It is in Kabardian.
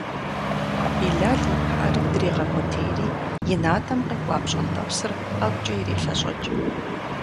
Билал и пыӏэр дрегъэкӏуэтейри и натӏэм къекӏуа пщӏантӏэпсыр ӏэгукӏэ ирелъэщӏэкӏ.